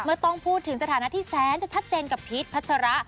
ต้องพูดถึงสถานะที่แสนจะชัดเจนกับพีชพัชระ